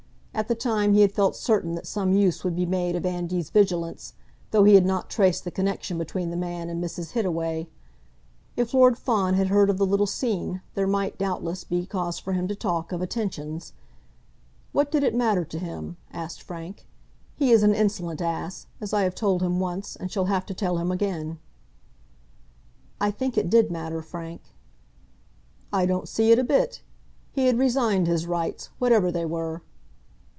At the time he had felt certain that some use would be made of Andy's vigilance, though he had not traced the connexion between the man and Mrs. Hittaway. If Lord Fawn had heard of the little scene, there might, doubtless, be cause for him to talk of "attentions." "What did it matter to him?" asked Frank. "He is an insolent ass, as I have told him once, and shall have to tell him again." "I think it did matter, Frank." "I don't see it a bit. He had resigned his rights, whatever they were."